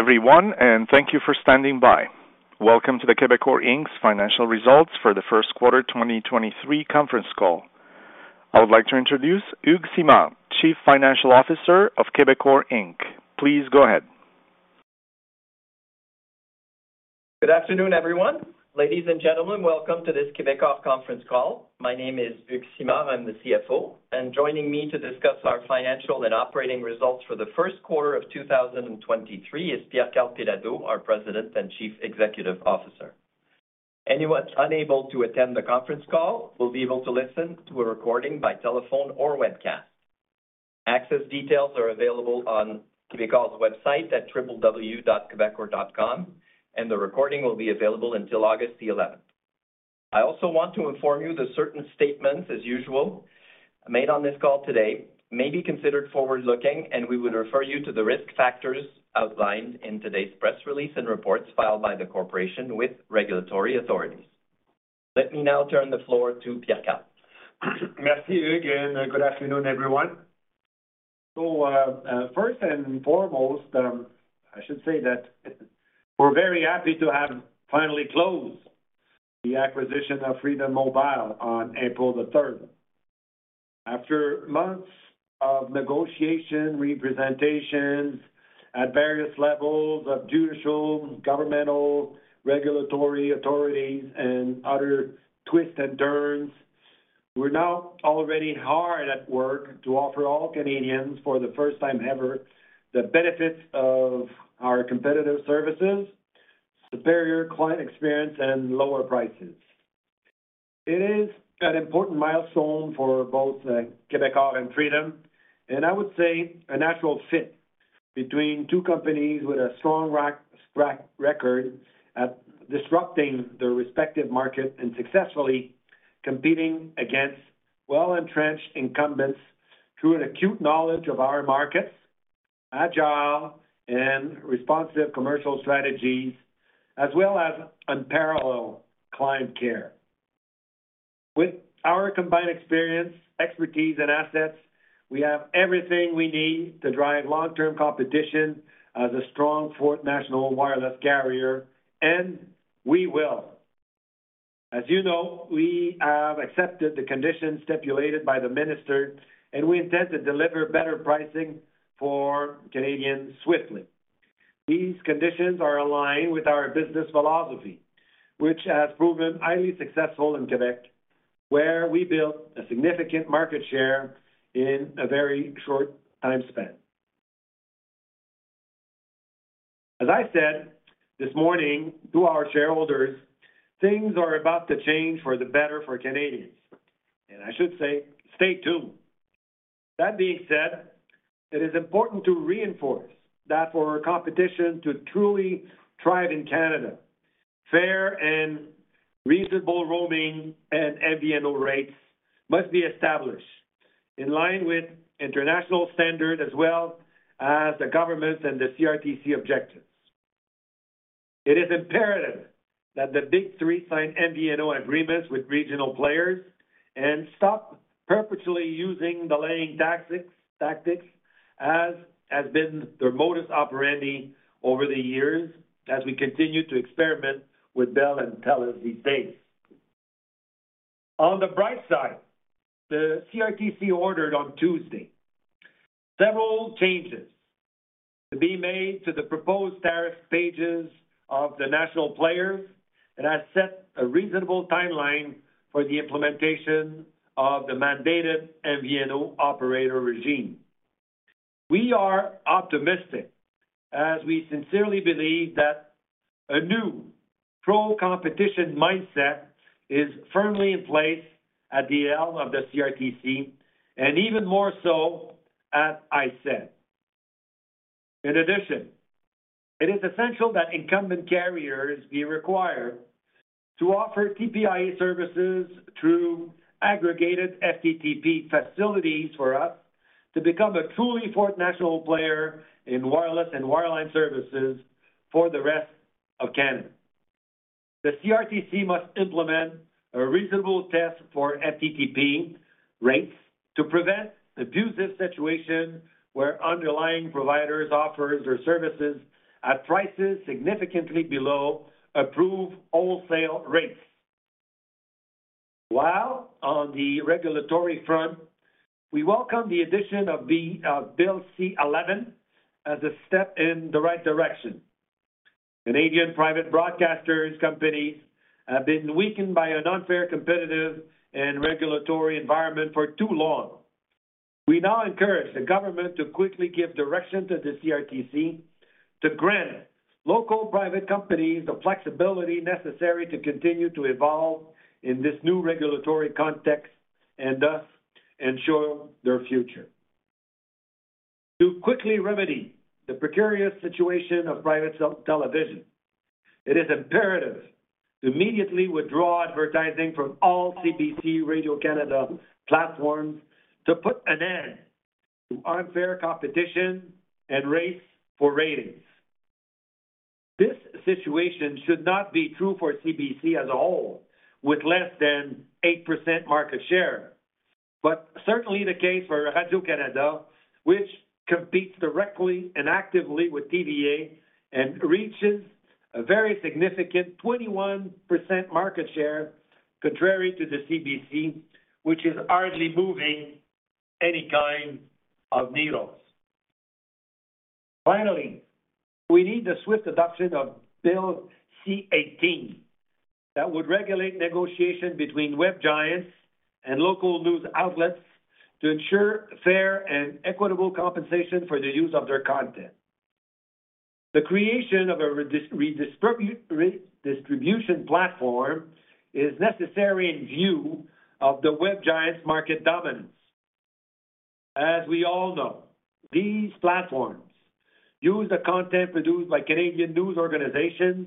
Good day, everyone, and thank you for standing by. Welcome to the Quebecor Inc.'s financial results for the first quarter 2023 conference call. I would like to introduce Hugues Simard, Chief Financial Officer of Quebecor Inc. Please go ahead. Good afternoon, everyone. Ladies and gentlemen, welcome to this Quebecor conference call. My name is Hugues Simard. I'm the CFO. Joining me to discuss our financial and operating results for the first quarter of 2023 is Pierre-Karl Péladeau, our President and Chief Executive Officer. Anyone unable to attend the conference call will be able to listen to a recording by telephone or webcast. Access details are available on Quebecor's website at www.quebecor.com, and the recording will be available until August the eleventh. I also want to inform you that certain statements, as usual, made on this call today may be considered forward-looking, and we would refer you to the risk factors outlined in today's press release and reports filed by the corporation with regulatory authorities. Let me now turn the floor to Pierre-Karl. Merci, Hugues. Good afternoon, everyone. First and foremost, I should say that we're very happy to have finally closed the acquisition of Freedom Mobile on April the third. After months of negotiation, representations at various levels of judicial, governmental, regulatory authorities, and other twists and turns, we're now already hard at work to offer all Canadians, for the first time ever, the benefits of our competitive services, superior client experience, and lower prices. It is an important milestone for both Quebecor and Freedom. I would say a natural fit between two companies with a strong track record at disrupting their respective market and successfully competing against well-entrenched incumbents through an acute knowledge of our markets, agile and responsive commercial strategies, as well as unparalleled client care. With our combined experience, expertise, and assets, we have everything we need to drive long-term competition as a strong fourth national wireless carrier. We will. As you know, we have accepted the conditions stipulated by the minister, and we intend to deliver better pricing for Canadians swiftly. These conditions are aligned with our business philosophy, which has proven highly successful in Quebec, where we built a significant market share in a very short time span. As I said this morning to our shareholders, things are about to change for the better for Canadians, and I should say, stay tuned. That being said, it is important to reinforce that for competition to truly thrive in Canada, fair and reasonable roaming and MVNO rates must be established in line with international standards as well as the government's and the CRTC objectives. It is imperative that the Big Three sign MVNO agreements with regional players and stop perpetually using delaying tactics as has been their modus operandi over the years as we continue to experiment with Bell and Telus these days. On the bright side, the CRTC ordered on Tuesday several changes to be made to the proposed tariff pages of the national players and has set a reasonable timeline for the implementation of the mandated MVNO operator regime. We are optimistic, as we sincerely believe that a new pro-competition mindset is firmly in place at the helm of the CRTC, and even more so at ISED. In addition, it is essential that incumbent carriers be required to offer TPIA services through aggregated FTTP facilities for us to become a truly fourth national player in wireless and wireline services for the rest of Canada. The CRTC must implement a reasonable test for FTTP rates to prevent abusive situations where underlying providers offer their services at prices significantly below approved wholesale rates. On the regulatory front, we welcome the addition of the Bill C-11 as a step in the right direction. Canadian private broadcasters companies have been weakened by an unfair competitive and regulatory environment for too long. We now encourage the government to quickly give direction to the CRTC to grant local private companies the flexibility necessary to continue to evolve in this new regulatory context and, thus, ensure their future. To quickly remedy the precarious situation of private television, it is imperative to immediately withdraw advertising from all CBC Radio-Canada platforms to put an end to unfair competition and race for ratings. This situation should not be true for CBC as a whole, with less than 8% market share. Certainly the case for Radio-Canada, which competes directly and actively with TVA and reaches a very significant 21% market share, contrary to the CBC, which is hardly moving any kind of needles. Finally, we need the swift adoption of Bill C-18 that would regulate negotiation between web giants and local news outlets to ensure fair and equitable compensation for the use of their content. The creation of a redistribution platform is necessary in view of the web giants' market dominance. As we all know, these platforms use the content produced by Canadian news organizations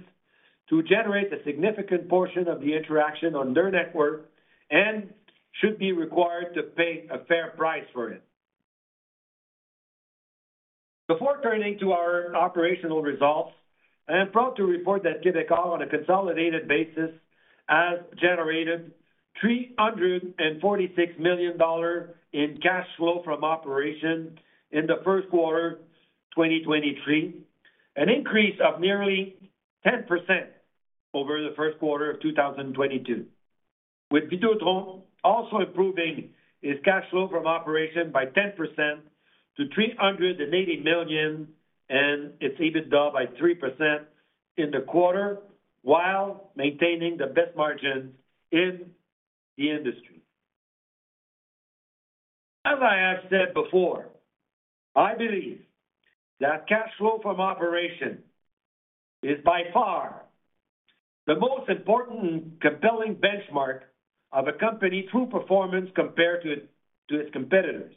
to generate a significant portion of the interaction on their network and should be required to pay a fair price for it. Before turning to our operational results, I am proud to report that Quebecor, on a consolidated basis, has generated 346 million dollars in cash flow from operation in the first quarter 2023, an increase of nearly 10% over the first quarter of 2022, with Videotron also improving its cash flow from operation by 10% to 380 million and its EBITDA by 3% in the quarter while maintaining the best margins in the industry. As I have said before, I believe that cash flow from operation is by far the most important compelling benchmark of a company true performance compared to its competitors.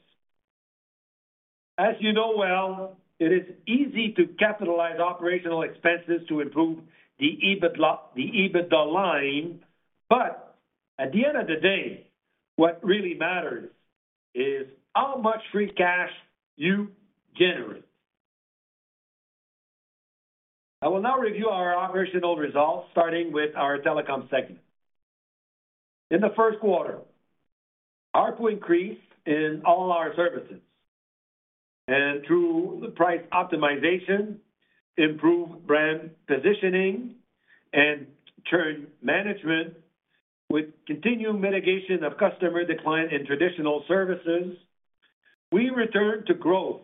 As you know well, it is easy to capitalize operational expenses to improve the EBITDA, the EBITDA line, but at the end of the day, what really matters is how much free cash you generate. I will now review our operational results, starting with our telecom segment. In the first quarter, ARPU increased in all our services and through the price optimization, improved brand positioning and churn management with continued mitigation of customer decline in traditional services, we returned to growth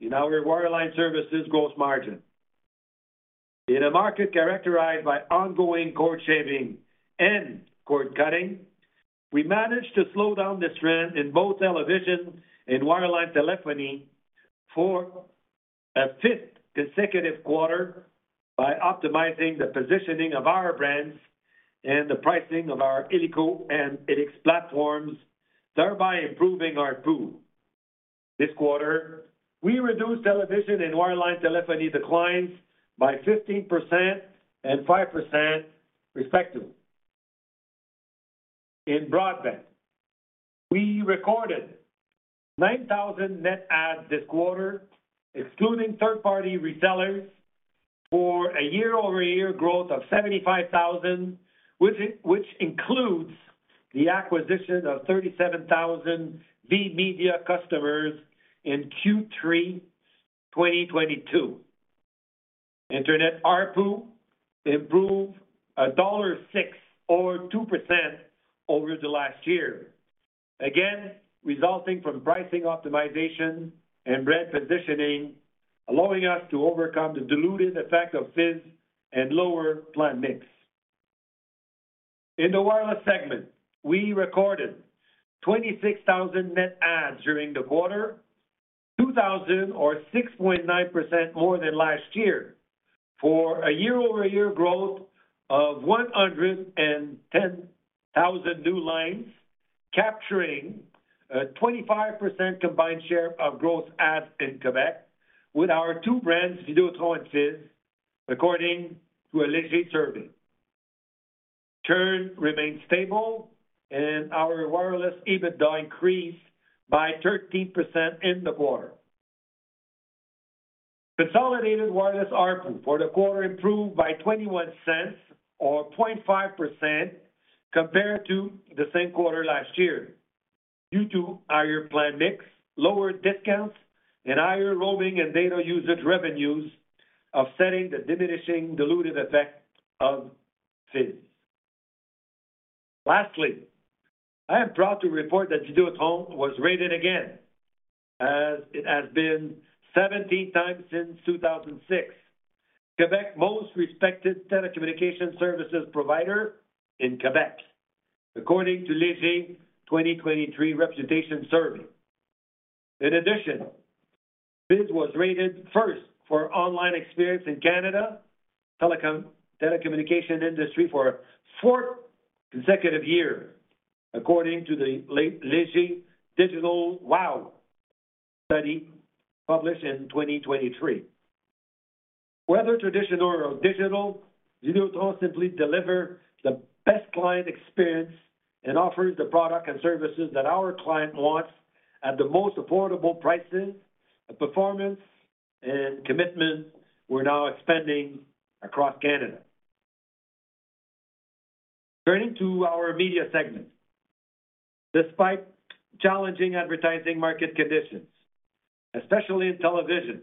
in our wireline services gross margin. In a market characterized by ongoing cord-shaving and cord-cutting, we managed to slow down this trend in both television and wireline telephony for a fifth consecutive quarter by optimizing the positioning of our brands and the pricing of our illico and illico platforms, thereby improving ARPU. This quarter, we reduced television and wireline telephony declines by 15% and 5% respectively. In broadband, we recorded 9,000 net adds this quarter, excluding third-party resellers, for a year-over-year growth of 75,000, which includes the acquisition of 37,000 VMedia customers in Q3 2022. Internet ARPU improved dollar 1.06 or 2% over the last year, again, resulting from pricing optimization and brand positioning, allowing us to overcome the dilutive effect of Fizz and lower plan mix. In the wireless segment, we recorded 26,000 net adds during the quarter, 2,000 or 6.9% more than last year, for a year-over-year growth of 110,000 new lines, capturing a 25% combined share of gross adds in Quebec with our two brands, Vidéotron and Fizz, according to a Léger survey. Churn remained stable and our wireless EBITDA increased by 13% in the quarter. Consolidated wireless ARPU for the quarter improved by $0.21 or 0.5% compared to the same quarter last year, due to higher plan mix, lower discounts and higher roaming and data usage revenues, offsetting the diminishing dilutive effect of Fizz. Lastly, I am proud to report that Vidéotron was rated again, as it has been 17x since 2006, Quebec most respected telecommunication services provider in Quebec, according to Léger 2023 reputation survey. In addition, Fizz was rated first for online experience in Canada telecommunication industry for a fourth consecutive year, according to the Léger WOW Digital study published in 2023. Whether traditional or digital, Vidéotron simply deliver the best client experience and offers the product and services that our client wants. At the most affordable prices, the performance and commitment we're now expanding across Canada. Turning to our media segment. Despite challenging advertising market conditions, especially in television,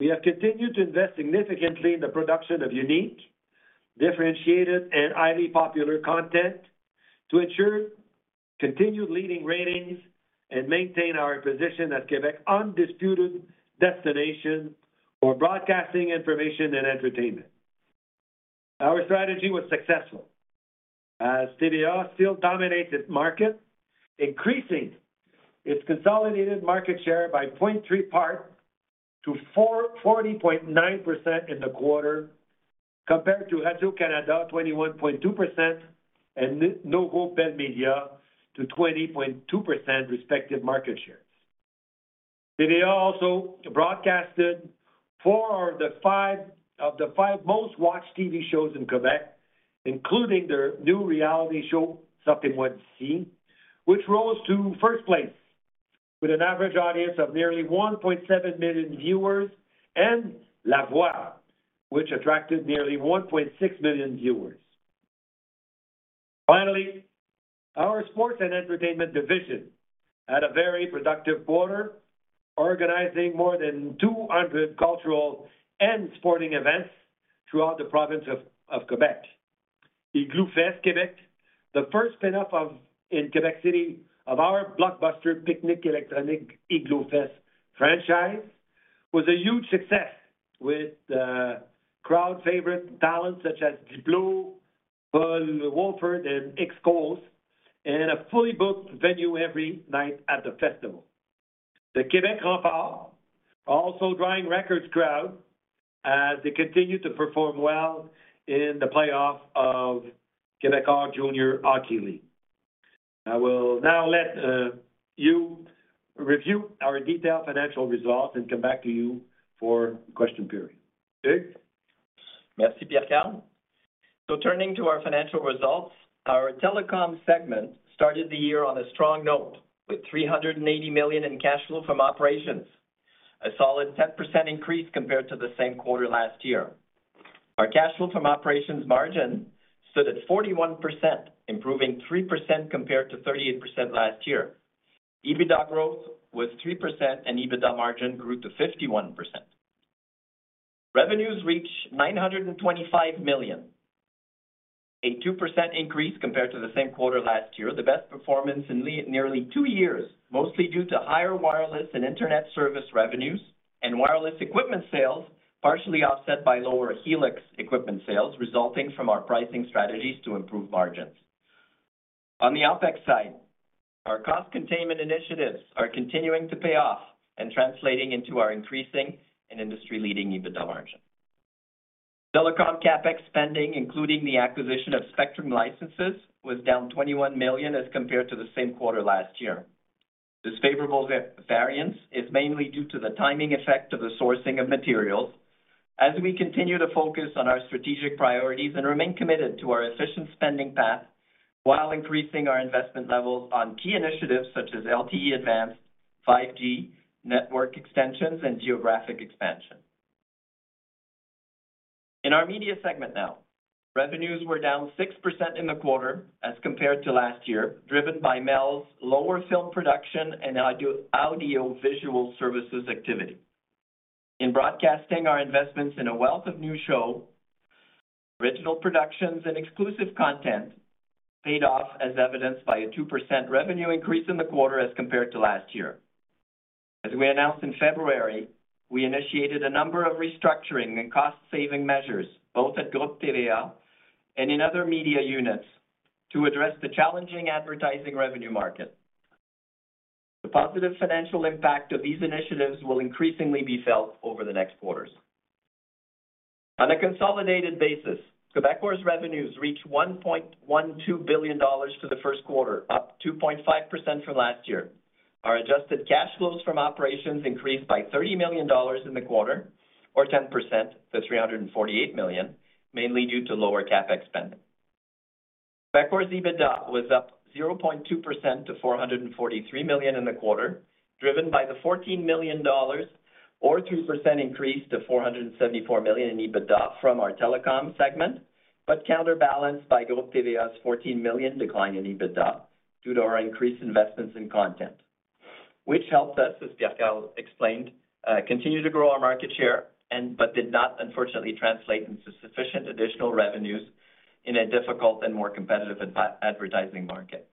we have continued to invest significantly in the production of unique, differentiated, and highly popular content to ensure continued leading ratings and maintain our position as Quebec undisputed destination for broadcasting information and entertainment. Our strategy was successful, as TVA still dominates its market, increasing its consolidated market share by 0.3 part to 40.9% in the quarter, compared to Radio-Canada 21.2% and Noovo Media 20.2% respective market shares. TVA also broadcasted four of the five most watched TV shows in Quebec, including their new reality show, Sortez-moi d'ici!, which rose to first place with an average audience of nearly 1.7 million viewers, and La Voix, which attracted nearly 1.6 million viewers. Our sports and entertainment division had a very productive quarter, organizing more than 200 cultural and sporting events throughout the province of Quebec. Igloofest Québec, the first spin-off in Quebec City of our blockbuster Piknic Électronik Igloofest franchise, was a huge success with crowd favorite talents such as Diplo, Paul Woolford, and Carl Cox, and a fully booked venue every night at the festival. The Quebec Remparts also drawing records crowd as they continue to perform well in the playoff of Quebec Junior Hockey League. I will now let you review our detailed financial results and come back to you for question period. Hugh? Merci, Pierre-Karl. Turning to our financial results, our telecom segment started the year on a strong note, with 380 million in cash flow from operations, a solid 10% increase compared to the same quarter last year. Our cash flow from operations margin stood at 41%, improving 3% compared to 38% last year. EBITDA growth was 3%, and EBITDA margin grew to 51%. Revenues reached 925 million, a 2% increase compared to the same quarter last year, the best performance in nearly two years, mostly due to higher wireless and internet service revenues and wireless equipment sales, partially offset by lower Helix equipment sales, resulting from our pricing strategies to improve margins. On the OpEx side, our cost containment initiatives are continuing to pay off and translating into our increasing and industry-leading EBITDA margin. Telecom CapEx spending, including the acquisition of spectrum licenses, was down 21 million as compared to the same quarter last year. This favorable variance is mainly due to the timing effect of the sourcing of materials as we continue to focus on our strategic priorities and remain committed to our efficient spending path while increasing our investment levels on key initiatives such as LTE Advanced, 5G, network extensions, and geographic expansion. In our media segment now, revenues were down 6% in the quarter as compared to last year, driven by Mels' lower film production and audiovisual services activity. In broadcasting, our investments in a wealth of new show, original productions, and exclusive content paid off, as evidenced by a 2% revenue increase in the quarter as compared to last year. As we announced in February, we initiated a number of restructuring and cost-saving measures, both at Groupe TVA and in other media units, to address the challenging advertising revenue market. The positive financial impact of these initiatives will increasingly be felt over the next quarters. On a consolidated basis, Quebecor's revenues reached 1.12 billion dollars for the first quarter, up 2.5% from last year. Our Adjusted Cash Flows from operations increased by 30 million dollars in the quarter, or 10% to 348 million, mainly due to lower CapEx spend. Quebecor's EBITDA was up 0.2% to 443 million in the quarter, driven by the 14 million dollars or 2% increase to 474 million in EBITDA from our telecom segment, but counterbalanced by Groupe TVA's 14 million decline in EBITDA due to our increased investments in content, which helped us, as Pierre-Karl explained, continue to grow our market share and, but did not unfortunately translate into sufficient additional revenues in a difficult and more competitive advertising market.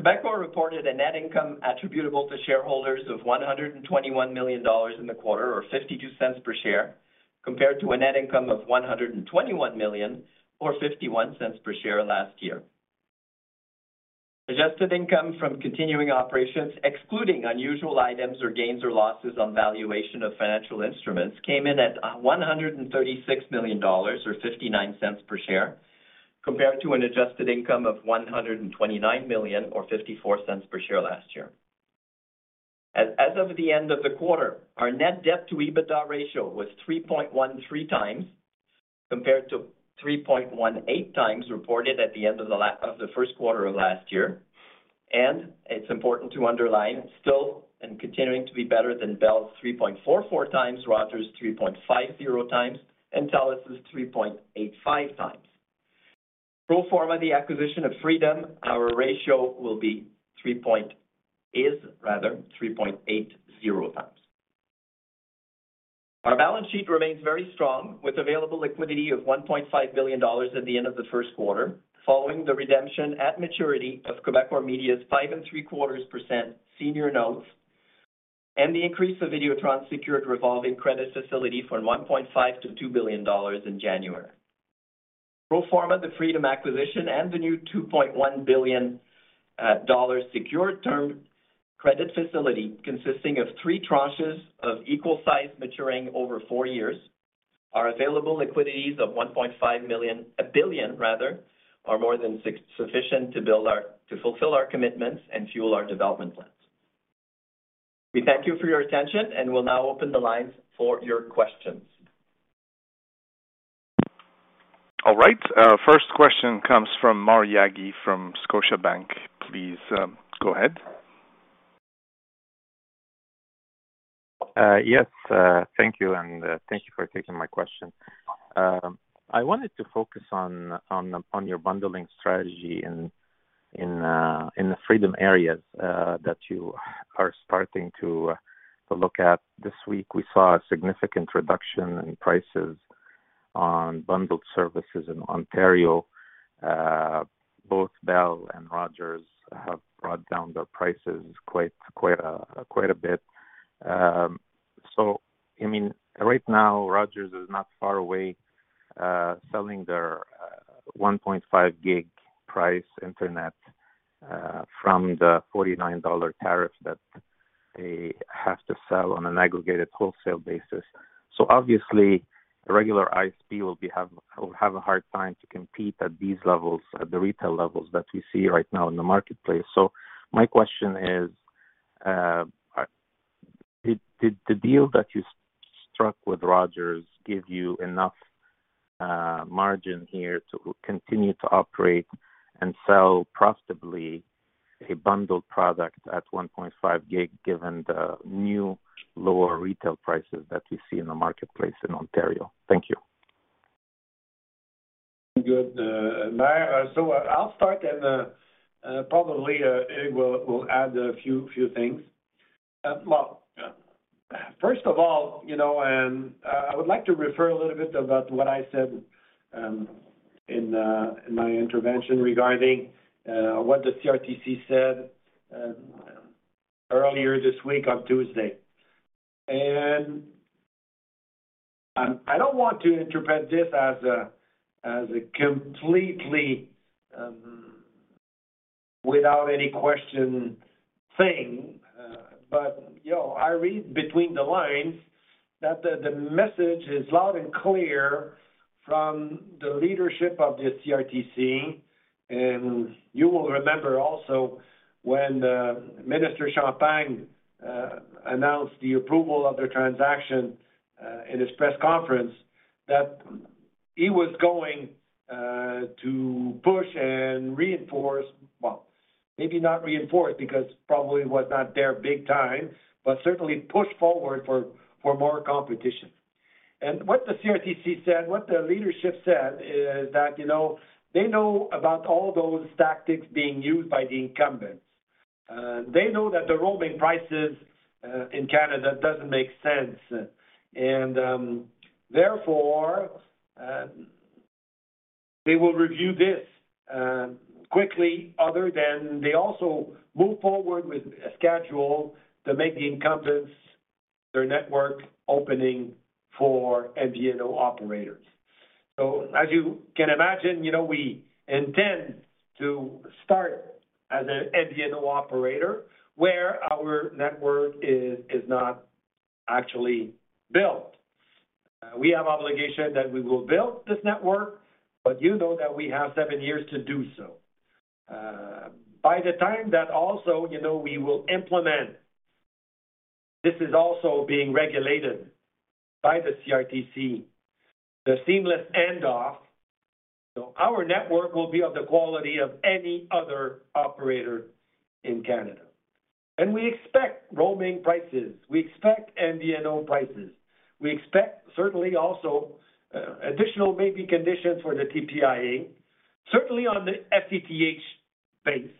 Quebecor reported a net income attributable to shareholders of 121 million dollars in the quarter, or 0.52 per share, compared to a net income of 121 million or 0.51 per share last year. Adjusted Income from continuing operations, excluding unusual items or gains or losses on valuation of financial instruments, came in at 136 million dollars or 0.59 per share, compared to an Adjusted Income of 129 million or 0.54 per share last year. As of the end of the quarter, our net debt-to-EBITDA ratio was 3.13x compared to 3.18x reported at the end of the first quarter of last year. It's important to underline still and continuing to be better than Bell's 3.44x, Rogers' 3.50x, and Telus' 3.85x. Pro forma the acquisition of Freedom, our ratio is rather 3.80x. Our balance sheet remains very strong with available liquidity of 1.5 billion dollars at the end of the first quarter, following the redemption at maturity of Quebecor Media's five and three-quarters % senior notes and the increase of Videotron's secured revolving credit facility from 1.5 billion to 2 billion dollars in January. Pro forma, the Freedom acquisition and the new 2.1 billion dollars secured term credit facility consisting of three tranches of equal size maturing over four years, our available liquidities of 1.5 million, a billion rather, are more than sufficient to build our to fulfill our commitments and fuel our development plans. We thank you for your attention and will now open the lines for your questions. All right. Our first question comes from Maher Yaghi from Scotiabank. Please go ahead. Yes, thank you, and thank you for taking my question. I wanted to focus on your bundling strategy in the Freedom areas that you are starting to look at. This week, we saw a significant reduction in prices on bundled services in Ontario. Both Bell and Rogers have brought down their prices quite a bit. I mean, right now, Rogers is not far away selling their 1.5 gb price internet from the 49 dollar tariff that they have to sell on an aggregated wholesale basis. Obviously, a regular ISP will have a hard time to compete at these levels, at the retail levels that we see right now in the marketplace. My question is, did the deal that you struck with Rogers give you enough margin here to continue to operate and sell profitably a bundled product at 1.5 gb given the new lower retail prices that we see in the marketplace in Ontario? Thank you. Good. Maher, I'll start, and Eric will add a few things. Well, first of all, you know, I would like to refer a little bit about what I said in my intervention regarding what the CRTC said earlier this week on Tuesday. I don't want to interpret this as a completely without any question thing. You know, I read between the lines that the message is loud and clear from the leadership of the CRTC. You will remember also when the Minister Champagne announced the approval of the transaction in his press conference, that he was going to push and reinforce. Well, maybe not reinforce, because probably it was not there big time, but certainly push forward for more competition. What the CRTC said, what the leadership said is that, you know, they know about all those tactics being used by the incumbents. They know that the roaming prices in Canada doesn't make sense. Therefore, they will review this quickly other than they also move forward with a schedule to make the incumbents their network opening for MVNO operators. As you can imagine, you know, we intend to start as an MVNO operator where our network is not actually built. We have obligation that we will build this network, but you know that we have seven years to do so. By the time that also, you know, we will implement, this is also being regulated by the CRTC, the seamless handoff, so our network will be of the quality of any other operator in Canada. We expect roaming prices. We expect MVNO prices. We expect certainly also additional maybe conditions for the TPIA, certainly on the speed-based.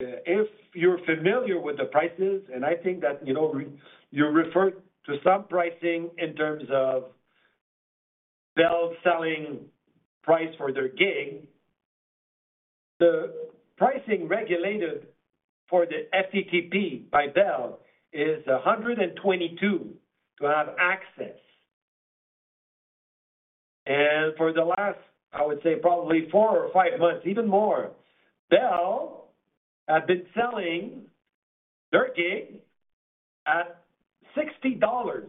If you're familiar with the prices, and I think that, you know, you refer to some pricing in terms of Bell selling price for their gig. The pricing regulated for the speed-based by Bell is 122 to have access. For the last, I would say probably four or five months, even more, Bell has been selling their gig at $60.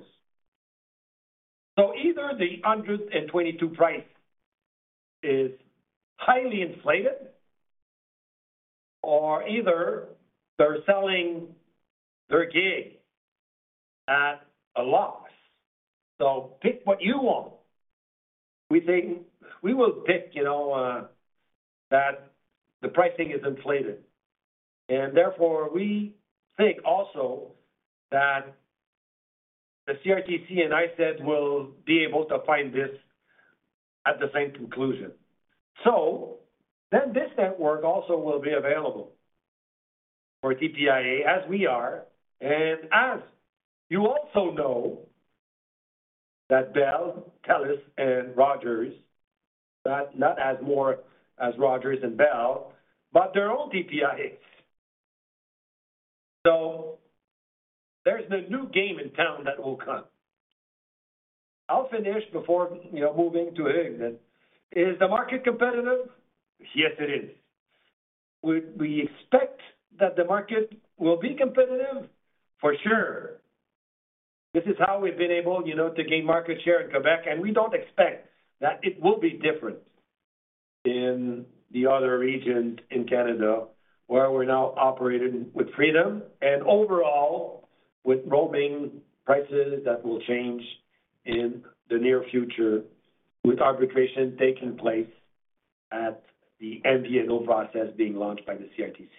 Either the 122 price is highly inflated or either they're selling their gig at a loss. Pick what you want. We think we will pick, you know, that the pricing is inflated and therefore we think also that the CRTC and ISED will be able to find this at the same conclusion. This network also will be available for TPIA as we are. As you also know that Bell, Telus and Rogers, not as more as Rogers and Bell, but their own TorIX. There's the new game in town that will come. I'll finish before, you know, moving to Hug. Is the market competitive? Yes, it is. We expect that the market will be competitive for sure. This is how we've been able, you know, to gain market share in Quebec, and we don't expect that it will be different in the other regions in Canada where we're now operating with Freedom and overall with roaming prices that will change in the near future with arbitration taking place at the MVNO process being launched by the CRTC.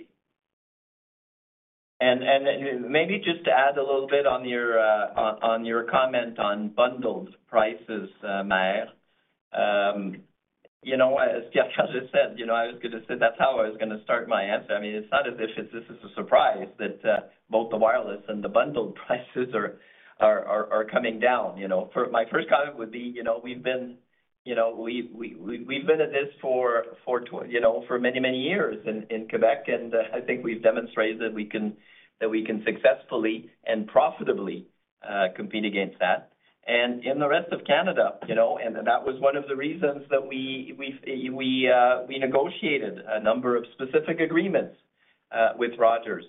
Maybe just to add a little bit on your comment on bundled prices, Maher. You know, as Jacques just said, you know, I was gonna say that's how I was gonna start my answer. I mean, it's not as if this is a surprise that both the wireless and the bundled prices are coming down, you know. My first comment would be, you know, we've been, you know, we've been at this for many, many years in Quebec. I think we've demonstrated that we can successfully and profitably compete against that and in the rest of Canada, you know. That was one of the reasons that we negotiated a number of specific agreements with Rogers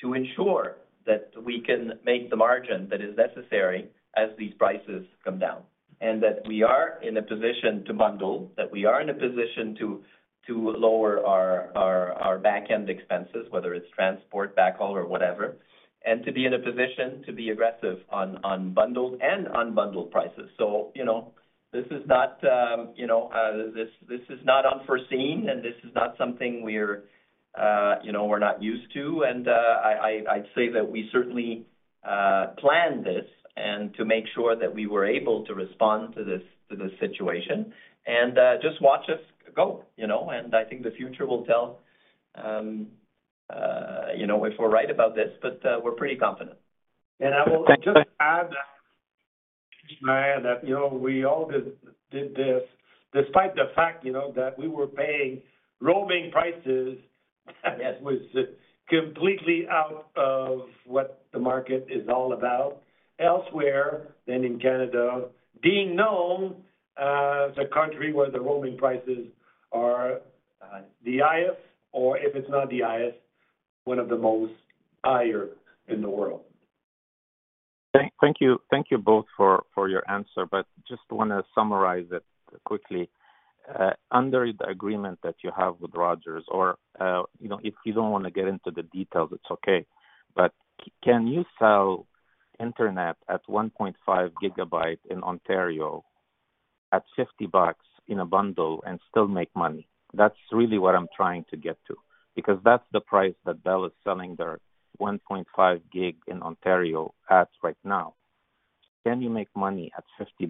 to ensure that we can make the margin that is necessary as these prices come down, that we are in a position to bundle, that we are in a position to lower our back-end expenses, whether it's transport, backhaul or whatever. To be in a position to be aggressive on bundled and unbundled prices. You know, this is not, you know, this is not unforeseen, and this is not something we're, you know, we're not used to. I'd say that we certainly planned this and to make sure that we were able to respond to this situation and just watch us go, you know. I think the future will tell, you know, if we're right about this, but we're pretty confident. I will just add that, Maher, that, you know, we all did this despite the fact, you know, that we were paying roaming prices that was completely out of what the market is all about elsewhere than in Canada, being known as the country where the roaming prices are the highest or if it's not the highest, one of the most higher in the world. Thank you. Thank you both for your answer, but just wanna summarize it quickly. Under the agreement that you have with Rogers or, you know, if you don't wanna get into the details, it's okay. Can you sell internet at 1.5 gb in Ontario at 50 bucks in a bundle and still make money? That's really what I'm trying to get to, because that's the price that Bell is selling their 1.5 gb in Ontario at right now. Can you make money at 50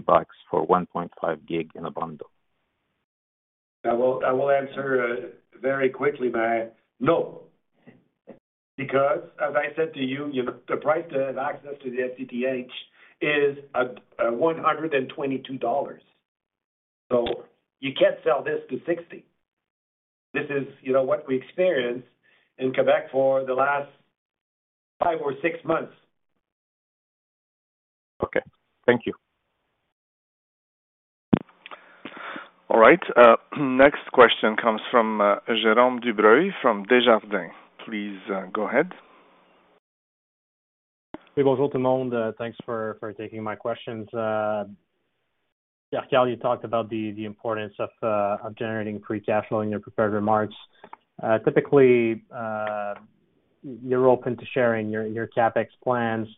bucks for 1.5 gb in a bundle? I will answer, very quickly, Maher. No, because as I said to you know, the price to have access to the SCPH is a 122 dollars. You can't sell this to 60. This is, you know, what we experienced in Quebec for the last five or six months. Okay. Thank you. All right. next question comes from Jérôme Dubreuil from Desjardins. Please go ahead. Thanks for taking my questions. Jacques, you talked about the importance of generating free cash flow in your prepared remarks. Typically, you're open to sharing your CapEx plans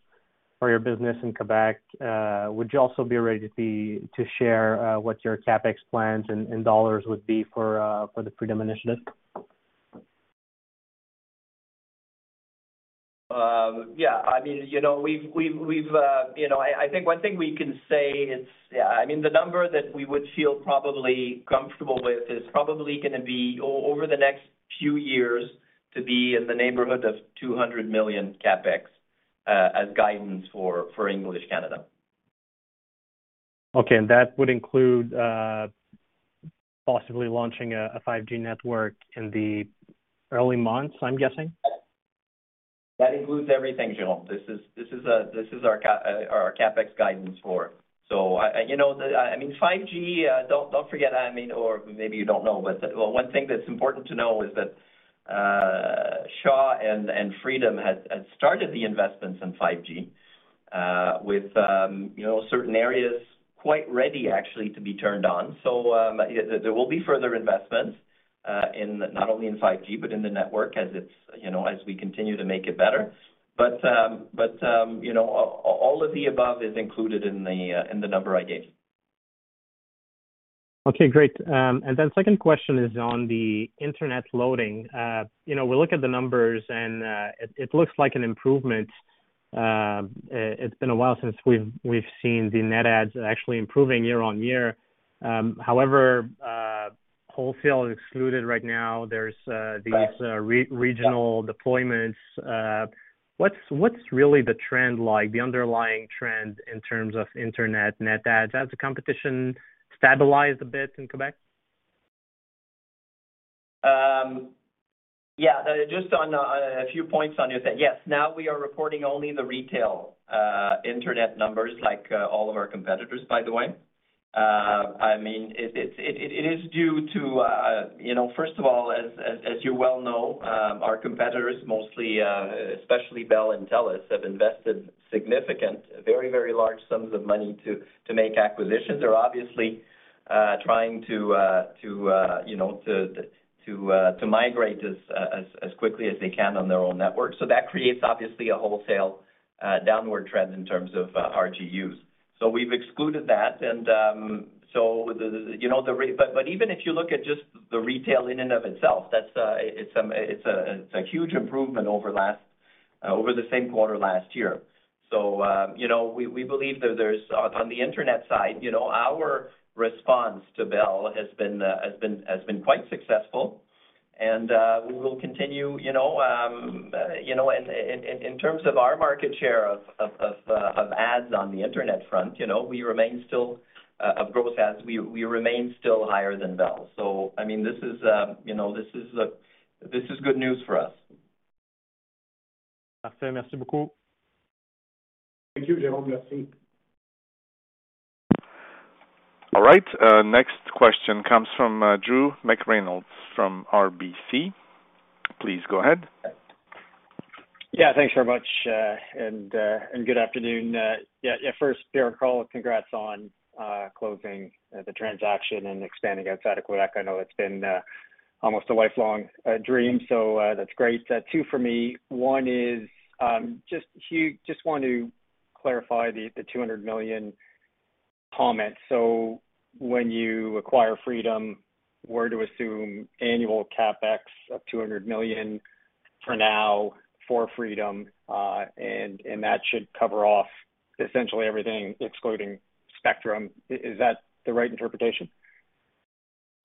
for your business in Quebec. Would you also be ready to share what your CapEx plans in dollars would be for the Freedom initiative? Yeah, I mean, you know, we've, you know, I think one thing we can say it's, yeah, I mean, the number that we would feel probably comfortable with is probably gonna be over the next few years to be in the neighborhood of 200 million CapEx, as guidance for English Canada. Okay. And that would include, possibly launching a 5G network in the early months, I'm guessing. That includes everything, Jerome. This is our CapEx guidance for. I, you know, I mean, 5G, don't forget, I mean or maybe you don't know, but, well, one thing that's important to know is that Shaw and Freedom had started the investments in 5G, with, you know, certain areas quite ready actually to be turned on. Yeah, there will be further investments in not only in 5G but in the network as it's, you know, as we continue to make it better. You know, all of the above is included in the number I gave. Okay, great. Then second question is on the internet loading. you know, we look at the numbers and, it looks like an improvement. It's been a while since we've seen the net adds actually improving year-on-year. Wholesale excluded right now, there's, these regional deployments. What's really the trend like, the underlying trend in terms of internet net adds? Has the competition stabilized a bit in Quebec? Yeah. Just on a few points on your thing. Yes. Now we are reporting only the retail internet numbers like all of our competitors, by the way. I mean, it's, it is due to, you know, first of all, as you well know, our competitors, mostly, especially Bell and Telus, have invested significant, very large sums of money to make acquisitions. They're obviously trying to, you know, to migrate as quickly as they can on their own network. That creates obviously a wholesale downward trend in terms of RGUs. We've excluded that. You know, even if you look at just the retail in and of itself, it's a huge improvement over last, over the same quarter last year. You know, we believe that there's, on the internet side, you know, our response to Bell has been quite successful. We will continue, you know, you know. In terms of our market share of ads on the internet front, you know, we remain still, of growth ads, we remain still higher than Bell. I mean, this is, you know, this is good news for us. Thank you, Jerome. Merci. All right, next question comes from Drew McReynolds from RBC. Please go ahead. Yeah. Thanks very much, and good afternoon. Yeah, first, Pierre and Hugues, congrats on closing the transaction and expanding outside of Quebec. I know it's been almost a lifelong dream, so that's great. Two for me. One is, just want to clarify the 200 million comment. When you acquire Freedom, we're to assume annual CapEx of 200 million for now for Freedom, and that should cover off essentially everything excluding spectrum. Is that the right interpretation?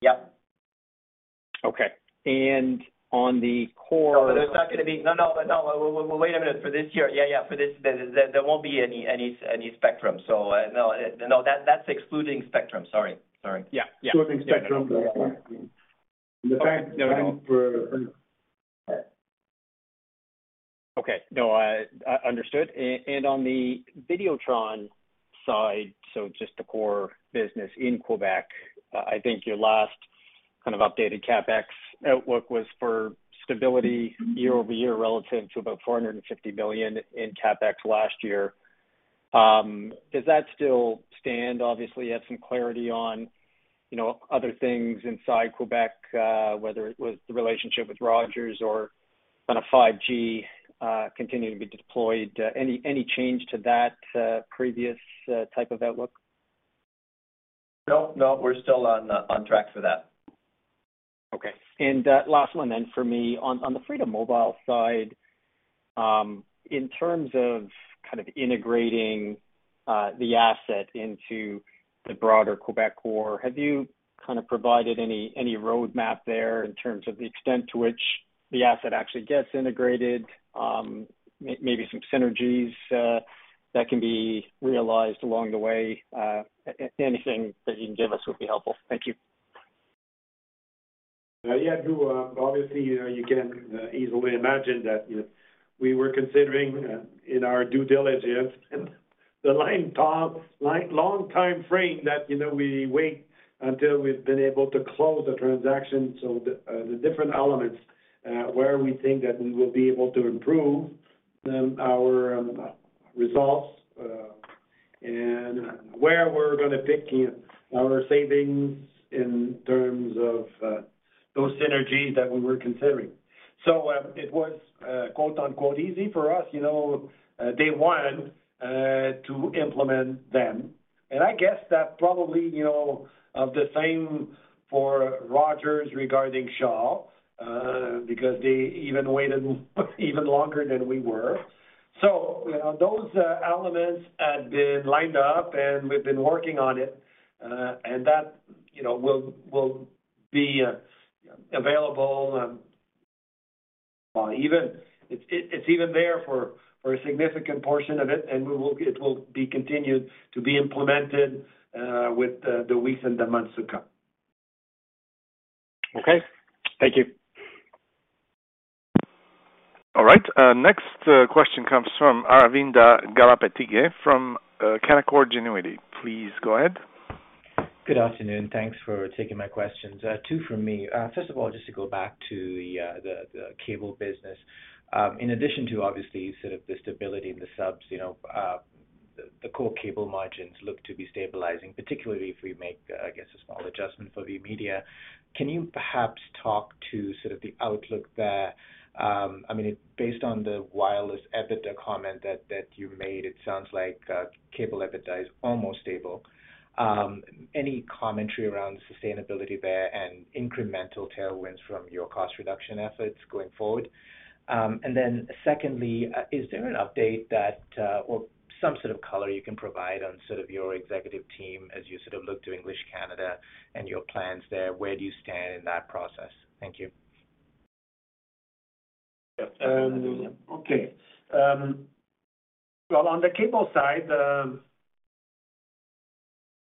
Yep. Okay. On the core- No, there's not gonna be.No, No. No. Wait a minute. For this year, yeah, for this, there won't be any spectrum. No, that's excluding spectrum. Sorry. Yeah, yeah. excluding spectrum. Okay. No, I understood. On the Videotron side, so just the core business in Quebec, I think your last kind of updated CapEx outlook was for stability year-over-year relative to about 450 million in CapEx last year. Does that still stand? Obviously, you have some clarity on, you know, other things inside Quebec, whether it was the relationship with Rogers or kind of 5G, continuing to be deployed. Any change to that previous type of outlook? No, no, we're still on track for that. Okay. Last one then for me. On the Freedom Mobile side, in terms of kind of integrating the asset into the broader Quebecor, have you kind of provided any roadmap there in terms of the extent to which the asset actually gets integrated? Maybe some synergies that can be realized along the way. Anything that you can give us would be helpful. Thank you. Yeah. To, obviously, you know, you can easily imagine that, you know, we were considering in our due diligence the long time frame that, you know, we wait until we've been able to close the transaction. The different elements where we think that we will be able to improve our results and where we're gonna pick our savings in terms of those synergies that we were considering. It was quote-unquote easy for us, you know, day one, to implement them. I guess that probably, you know, the same for Rogers regarding Shaw, because they even waited even longer than we were. Those elements had been lined up, and we've been working on it. That, you know, will be available, even. It's even there for a significant portion of it will be continued to be implemented with the weeks and the months to come. Okay. Thank you. All right. next question comes from Aravinda Galappatthige from Canaccord Genuity. Please go ahead. Good afternoon. Thanks for taking my questions. Two for me. First of all, just to go back to the cable business. In addition to obviously sort of the stability of the subs, you know, the core cable margins look to be stabilizing, particularly if we make, I guess, a small adjustment for VMedia. Can you perhaps talk to sort of the outlook there? I mean, based on the wireless EBITDA comment that you made, it sounds like cable EBITDA is almost stable. Any commentary around sustainability there and incremental tailwinds from your cost reduction efforts going forward? Secondly, is there an update that or some sort of color you can provide on sort of your executive team as you sort of look to English Canada and your plans there? Where do you stand in that process? Thank you. Okay. Well, on the cable side,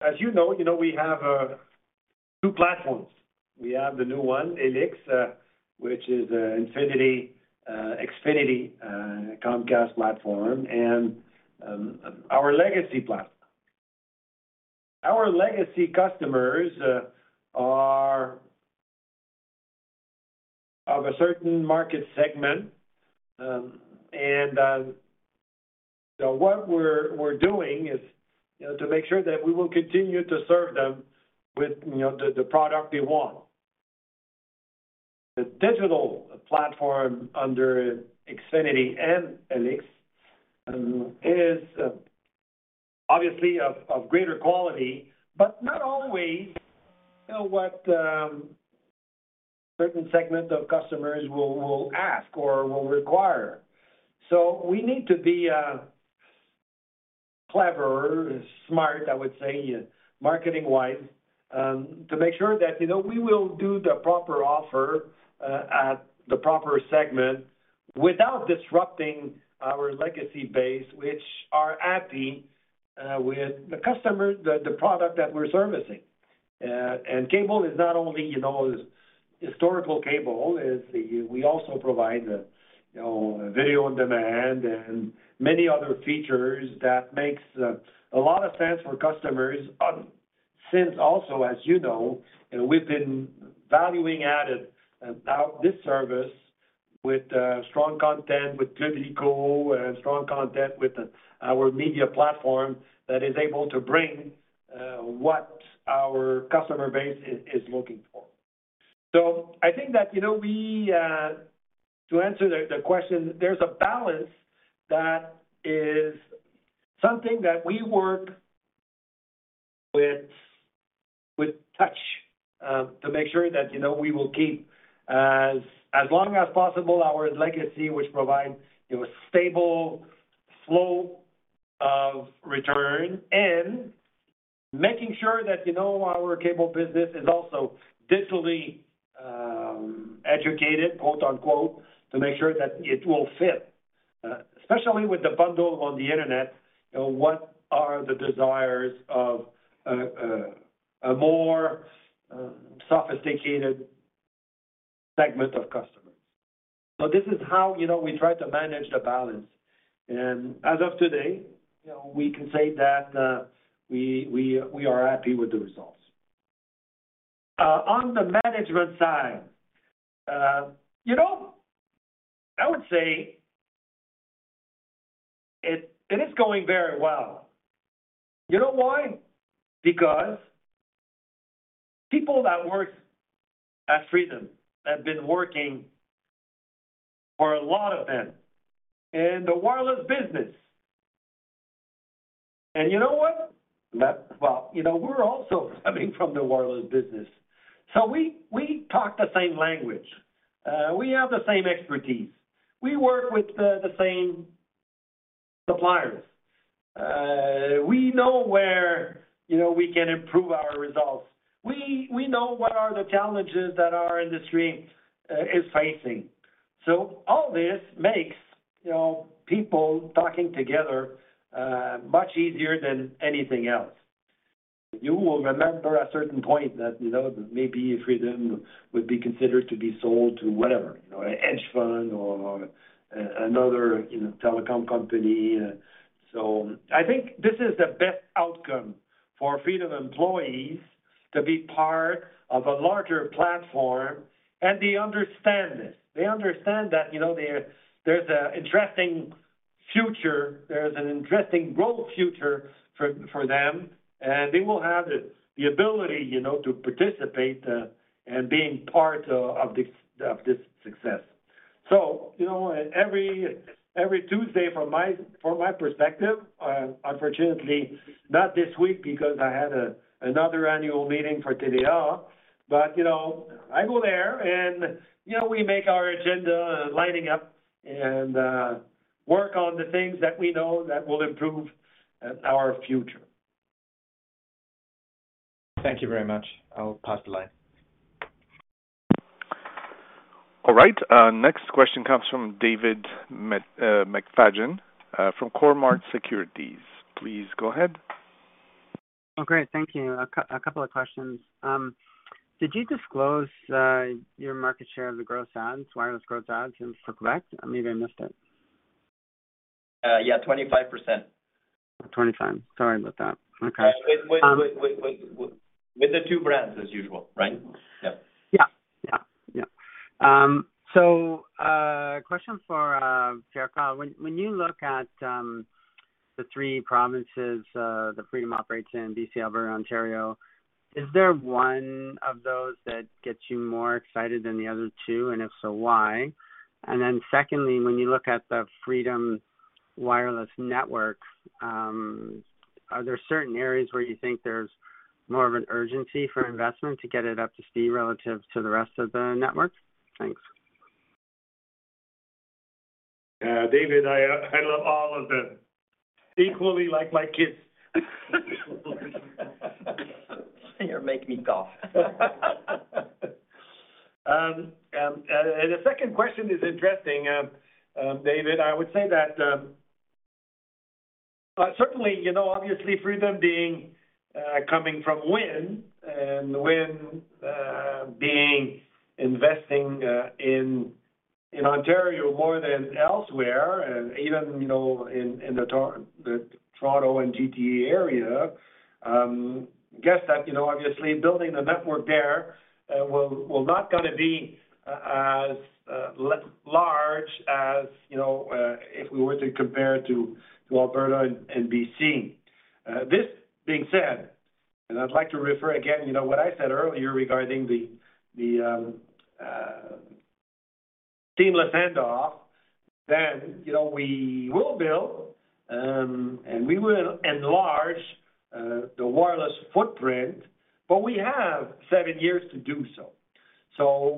as you know, you know, we have two platforms. We have the new one, Helix, which is Xfinity, Comcast platform, and our legacy platform. Our legacy customers are of a certain market segment. What we're doing is, you know, to make sure that we will continue to serve them with, you know, the product they want. The digital platform under Xfinity and Helix is obviously of greater quality, but not always, you know, what certain segment of customers will ask or will require. We need to be clever and smart, I would say, marketing-wise, to make sure that, you know, we will do the proper offer at the proper segment without disrupting our legacy base, which are happy with the customer, the product that we're servicing. Cable is not only, you know, historical cable, we also provide, you know, video on demand and many other features that makes a lot of sense for customers. Also, as you know, we've been valuing added this service with strong content with Club illico and strong content with our media platform that is able to bring what our customer base is looking for. I think that, you know, we to answer the question, there's a balance that is something that we work with touch, to make sure that, you know, we will keep as long as possible our legacy, which provide, you know, stable flow of return and making sure that, you know, our cable business is also digitally educated, quote-unquote, to make sure that it will fit. Especially with the bundle on the Internet, you know, what are the desires of a more sophisticated segment of customers. This is how, you know, we try to manage the balance. As of today, you know, we can say that we are happy with the results. On the management side, you know, I would say it is going very well. You know why? Because people that work at Freedom have been working for a lot of them in the wireless business. Well, you know, we're also coming from the wireless business. We talk the same language. We have the same expertise. We work with the same suppliers. We know where, you know, we can improve our results. We know what are the challenges that our industry is facing. All this makes, you know, people talking together much easier than anything else. You will remember at certain point that, you know, maybe Freedom would be considered to be sold to whatever, you know, a hedge fund or another, you know, telecom company. I think this is the best outcome for Freedom employees to be part of a larger platform, and they understand this. They understand that, you know, there's an interesting future. There's an interesting growth future for them. They will have the ability, you know, to participate and being part of this success. You know, every Tuesday from my perspective, unfortunately, not this week because I had another annual meeting for TVA. You know, I go there and, you know, we make our agenda lining up and work on the things that we know that will improve our future. Thank you very much. I'll pass the line. All right. Next question comes from David McFadgen, from Cormark Securities. Please go ahead. Oh, great. Thank you. A couple of questions. Did you disclose your market share of the gross adds, wireless gross adds for Quebec? Maybe I missed it. yeah, 25%. 25. Sorry about that. Okay. With the 2 brands as usual, right? Yep. Yeah. Yeah. Yeah. Question for Pierre-Karl. When you look at the three provinces that Freedom operates in BC, Alberta, Ontario, is there one of those that gets you more excited than the other two, and if so, why? Secondly, when you look at the Freedom Wireless Network, are there certain areas where you think there's more of an urgency for investment to get it up to speed relative to the rest of the network? Thanks. David, I love all of them equally like my kids. You make me cough. The second question is interesting, David. I would say that certainly, you know, obviously, Freedom being coming from Wind and Wind being investing in Ontario more than elsewhere and even, you know, in the Toronto and GTA area, guess that, you know, obviously building the network there will not gonna be as large as, you know, if we were to compare to Alberta and BC. This being said, I'd like to refer again, you know, what I said earlier regarding the seamless handoff, you know, we will build and we will enlarge the wireless footprint, but we have seven years to do so.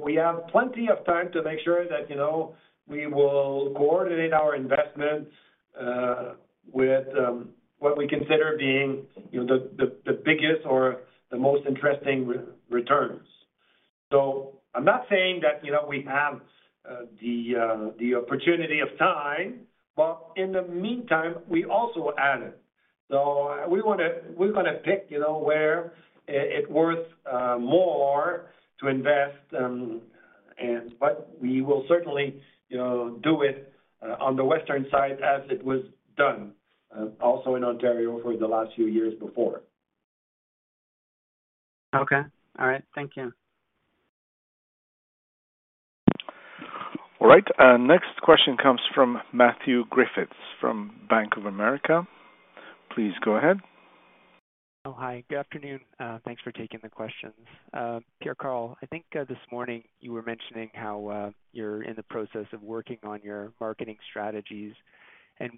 We have plenty of time to make sure that, you know, we will coordinate our investments with what we consider being, you know, the, the biggest or the most interesting re-returns. I'm not saying that, you know, we have the opportunity of time, but in the meantime, we also added. We wanna, we're gonna pick, you know, where it worth more to invest, but we will certainly, you know, do it on the western side as it was done also in Ontario for the last few years before. Okay. All right. Thank you. All right. Our next question comes from Matthew Griffiths from Bank of America. Please go ahead. Hi. Good afternoon. Thanks for taking the questions. Pierre-Karl, I think this morning you were mentioning how you're in the process of working on your marketing strategies and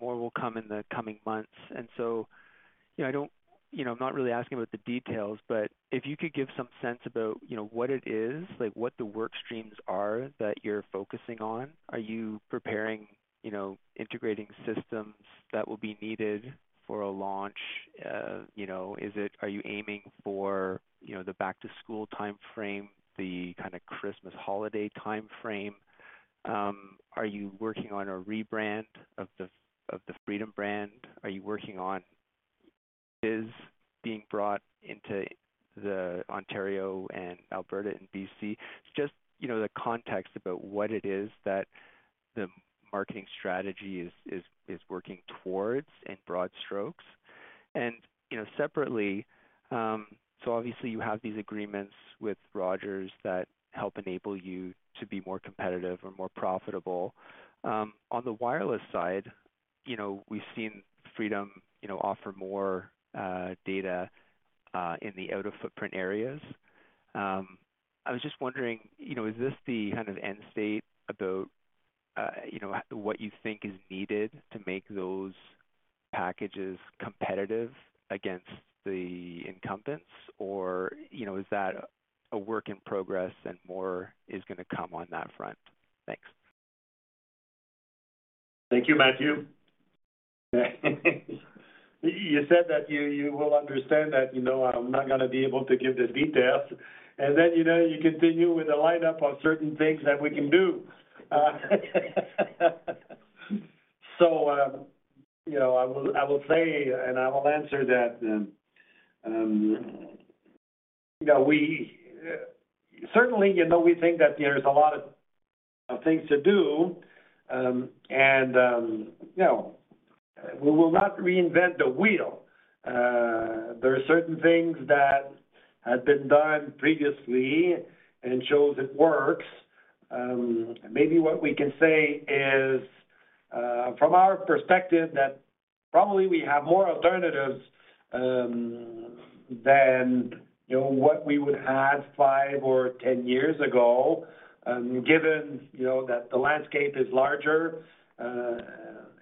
more will come in the coming months. You know, I don't, you know, I'm not really asking about the details, but if you could give some sense about, you know, what it is, like what the work streams are that you're focusing on. Are you preparing, you know, integrating systems that will be needed for a launch? Are you aiming for, you know, the back-to-school timeframe, the kinda Christmas holiday timeframe? Are you working on a rebrand of the Freedom brand? Are you working on is being brought into the Ontario and Alberta and B.C.? Just, you know, the context about what it is that the marketing strategy is working towards in broad strokes. You know, separately, obviously you have these agreements with Rogers that help enable you to be more competitive or more profitable. On the wireless side, you know, we've seen Freedom, you know, offer more data in the out-of-footprint areas. I was just wondering, you know, is this the kind of end state about, you know, what you think is needed to make those packages competitive against the incumbents? You know, is that a work in progress and more is gonna come on that front? Thanks. Thank you, Matthew. You said that you will understand that, you know, I'm not gonna be able to give the details. You know, you continue with a lineup of certain things that we can do. You know, I will say, and I will answer that. You know, we certainly, you know, we think that there is a lot of things to do. You know, we will not reinvent the wheel. There are certain things that have been done previously and shows it works. Maybe what we can say is from our perspective that probably we have more alternatives than, you know, what we would had five or 10 years ago, given, you know, that the landscape is larger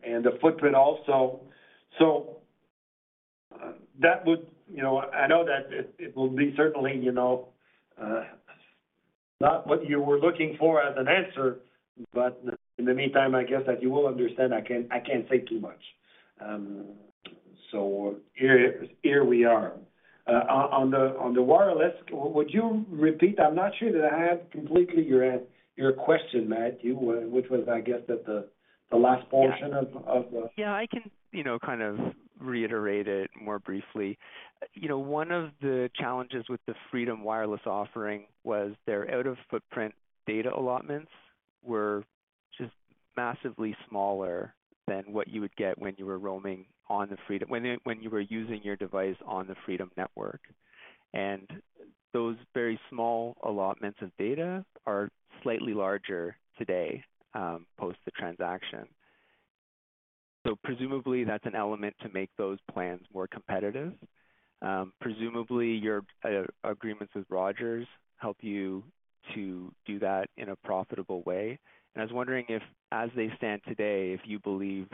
and the footprint also. You know, I know that it will be certainly, you know, not what you were looking for as an answer. In the meantime, I guess that you will understand I can't say too much. Here we are. On the wireless, would you repeat? I'm not sure that I have completely your question, Matthew, which was, I guess, at the last portion of the. Yeah. I can, you know, kind of reiterate it more briefly. You know, one of the challenges with the Freedom Wireless offering was their out-of-footprint data allotments just massively smaller than what you would get when you were roaming on the Freedom. When you were using your device on the Freedom network. Those very small allotments of data are slightly larger today post the transaction. Presumably, that's an element to make those plans more competitive. Presumably, your agreements with Rogers help you to do that in a profitable way. I was wondering if, as they stand today, if you believe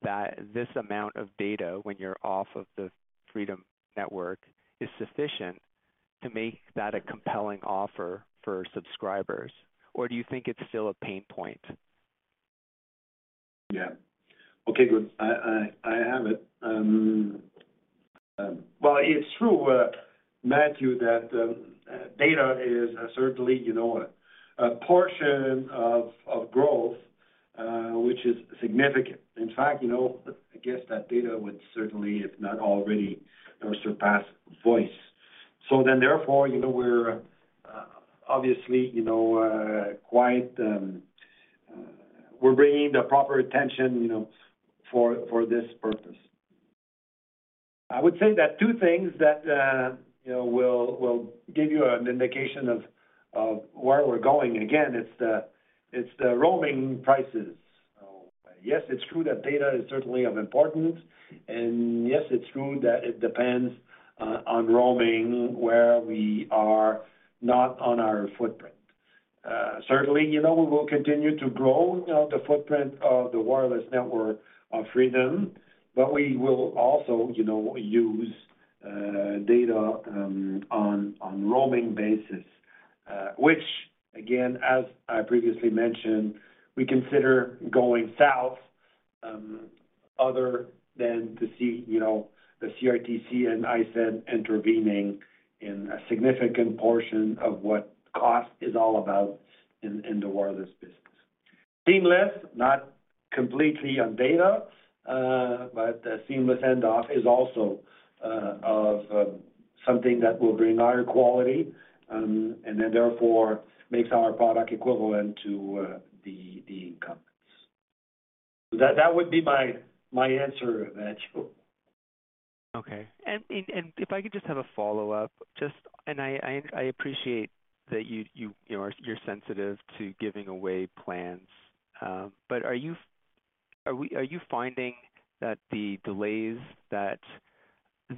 that this amount of data, when you're off of the Freedom network, is sufficient to make that a compelling offer for subscribers, or do you think it's still a pain point? Yeah. Okay, good. I have it. Well, it's true, Matthew, that data is certainly, you know, a portion of growth, which is significant. In fact, you know, I guess that data would certainly, if not already, you know, surpass voice. Therefore, you know, we're obviously, you know, quite, we're bringing the proper attention, you know, for this purpose. I would say that two things that, you know, will give you an indication of where we're going. Again, it's the roaming prices. Yes, it's true that data is certainly of importance. Yes, it's true that it depends on roaming where we are not on our footprint. Certainly, you know, we will continue to grow, you know, the footprint of the wireless network of Freedom, but we will also, you know, use data on roaming basis. Which again, as I previously mentioned, we consider going south, other than to see, you know, the CRTC and ISED intervening in a significant portion of what cost is all about in the wireless business. Seamless, not completely on data, but a seamless handoff is also of something that will bring higher quality and then therefore makes our product equivalent to the incumbents. That would be my answer, Matthew. Okay. If I could just have a follow-up. I appreciate that you know, you're sensitive to giving away plans. Are you finding that the delays that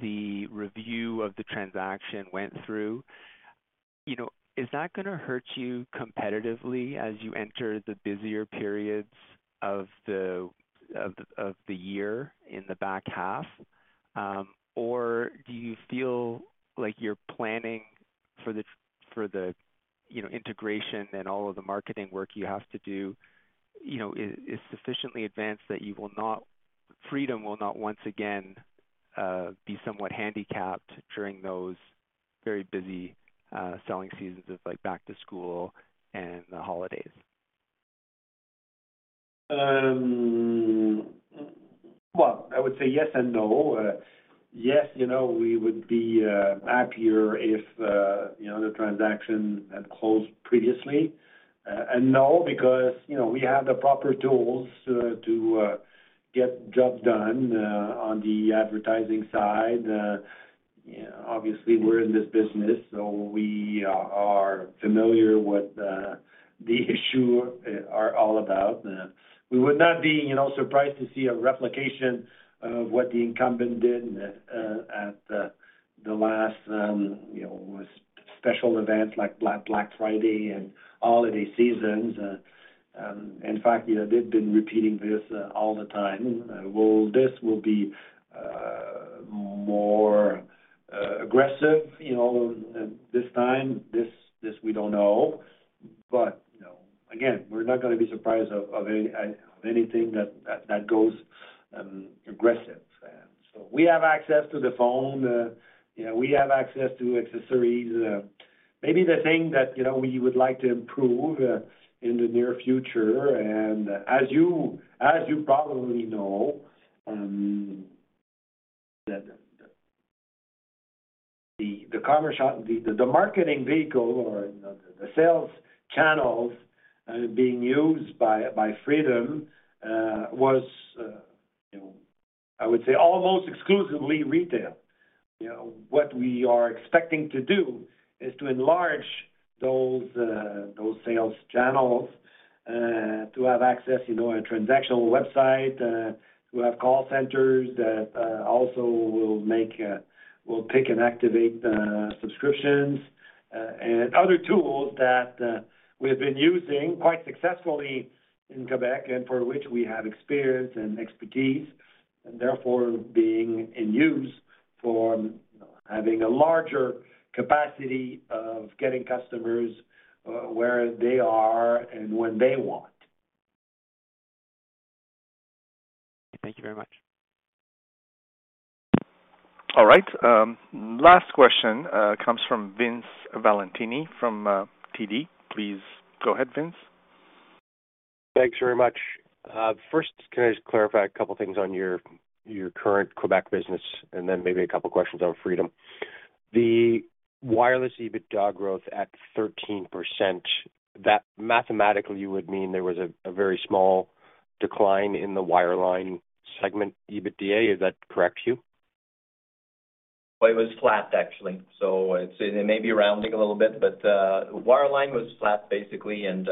the review of the transaction went through, you know, is that gonna hurt you competitively as you enter the busier periods of the year in the back half? Do you feel like you're planning for the, you know, integration and all of the marketing work you have to do, you know, is sufficiently advanced that Freedom will not once again be somewhat handicapped during those very busy selling seasons of like, back to school and the holidays? Well, I would say yes and no. Yes, you know, we would be happier if, you know, the transaction had closed previously. No, because, you know, we have the proper tools to get job done on the advertising side. Obviously, we're in this business, so we are familiar what the issue are all about. We would not be, you know, surprised to see a replication of what the incumbent did at the last, you know, was special events like Black Friday and holiday seasons. In fact, you know, they've been repeating this all the time. Will this be more aggressive, you know, this time? This we don't know. You know, again, we're not gonna be surprised of any, anything that goes aggressive. We have access to the phone. You know, we have access to accessories. Maybe the thing that, you know, we would like to improve in the near future, and as you probably know, that the commerce or the marketing vehicle or the sales channels being used by Freedom was, you know, I would say almost exclusively retail. You know, what we are expecting to do is to enlarge those sales channels, to have access, you know, a transactional website, to have call centers that also will make, will pick and activate subscriptions, and other tools that we've been using quite successfully in Quebec and for which we have experience and expertise, and therefore being in use for, you know, having a larger capacity of getting customers where they are and when they want. Thank you very much. All right. Last question comes from Vince Valentini from TD. Please go ahead, Vince. Thanks very much. First, can I just clarify a couple of things on your current Quebec business and then maybe a couple of questions on Freedom? The wireless EBITDA growth at 13%, that mathematically would mean there was a very small decline in the wireline segment EBITDA. Is that correct you? Well, it was flat actually. It may be rounding a little bit, but wireline was flat basically and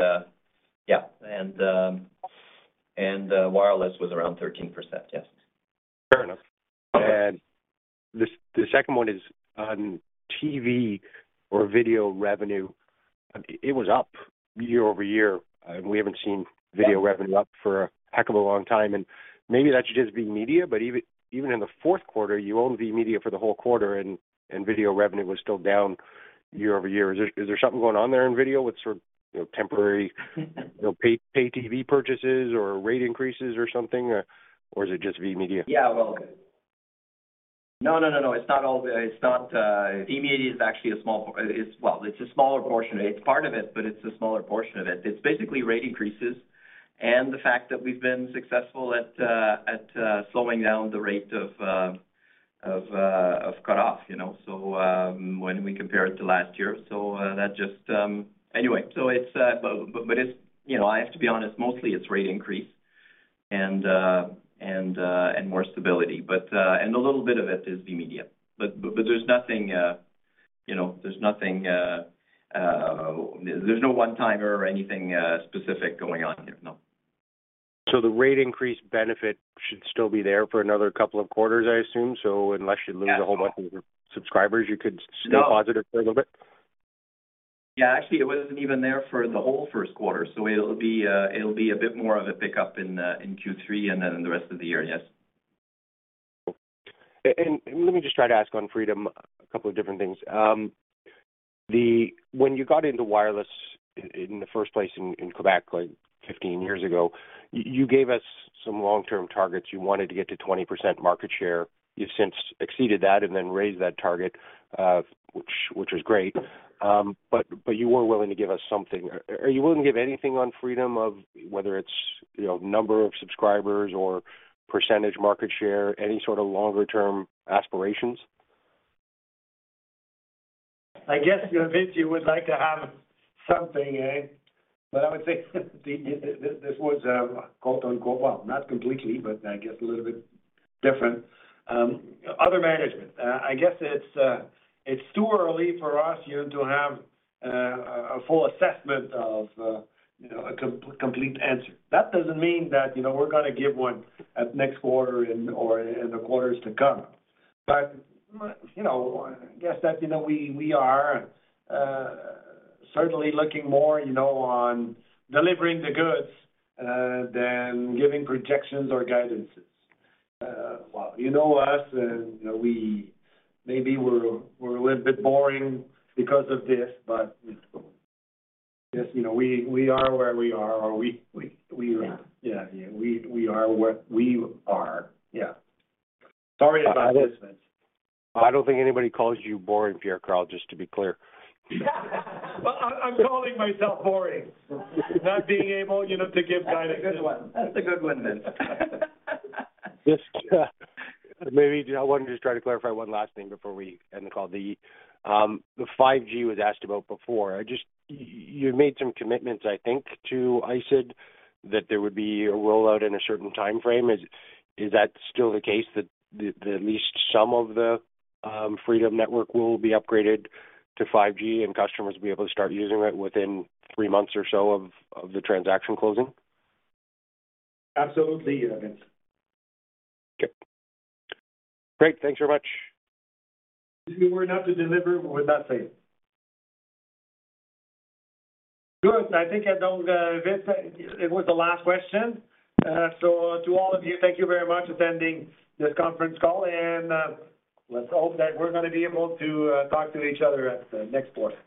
yeah. Wireless was around 13%, yes. Fair enough. Okay. The second one is on TV or video revenue. It was up year-over-year. We haven't seen video revenue up for a heck of a long time. Maybe that should just be media, but even in the fourth quarter, you own VMedia for the whole quarter. Video revenue was still down year-over-year. Is there something going on there in video with sort of, you know, temporary, you know, pay TV purchases or rate increases or something? Is it just VMedia? Yeah. No, no, no, it's not all. It's not. VMedia is actually a small. It's a smaller portion. It's part of it, but it's a smaller portion of it. It's basically rate increases and the fact that we've been successful at slowing down the rate of cutoff, you know, when we compare it to last year. That just. Anyway, it's. You know, I have to be honest, mostly it's rate increase and more stability. A little bit of it is VMedia. There's nothing, you know, there's nothing, there's no one-timer or anything specific going on here, no. The rate increase benefit should still be there for another couple of quarters, I assume. Unless you lose- Yeah. A whole bunch of your subscribers, you could stay. No Positive for a little bit? Yeah. Actually, it wasn't even there for the whole first quarter. It'll be a bit more of a pickup in Q3 and then in the rest of the year, yes. Let me just try to ask on Freedom a couple of different things. When you got into wireless in the first place in Quebec like 15 years ago, you gave us some long-term targets. You wanted to get to 20% market share. You've since exceeded that and then raised that target, which is great. You were willing to give us something. Are you willing to give anything on Freedom of whether it's, you know, number of subscribers or percentage market share, any sort of longer term aspirations? I guess, you know, Vince, you would like to have something, eh? I would say This was quote, unquote. Well, not completely, but I guess a little bit different. Other management, I guess it's too early for us here to have a full assessment of, you know, a complete answer. That doesn't mean that, you know, we're gonna give one at next quarter or in the quarters to come. You know, I guess that, you know, we are certainly looking more, you know, on delivering the goods than giving projections or guidances. Well, you know us and, you know, we maybe we're a little bit boring because of this, yes, you know, we are where we are or we. Yeah. Yeah. We are where we are. Yeah. Sorry about this, Vince. I don't think anybody calls you boring, Pierre-Karl, just to be clear. Well, I'm calling myself boring. Not being able, you know, to give guidance. That's a good one. That's a good one, Vince. Maybe I wanted to just try to clarify one last thing before we end the call. The 5G was asked about before. You made some commitments, I think, to ISED, that there would be a rollout in a certain timeframe. Is that still the case that at least some of the Freedom network will be upgraded to 5G and customers will be able to start using it within three months or so of the transaction closing? Absolutely, Vince. Okay. Great. Thanks very much. If we were not to deliver, we would not say it. Good. I think, Vince, it was the last question. To all of you, thank you very much attending this conference call, and let's hope that we're gonna be able to talk to each other at the next quarter.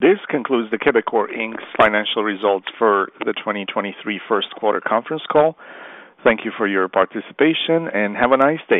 This concludes the Quebecor Inc.'s financial results for the 2023 first quarter conference call. Thank you for your participation, and have a nice day